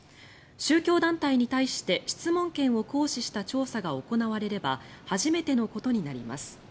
宗教団体に対して質問権を行使した調査が行われれば初めてのことになります。